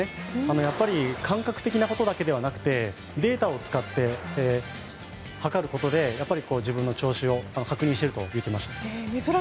やっぱり感覚的なことだけじゃなくてデータを使って測ることで自分の調子を確認していると言っていました。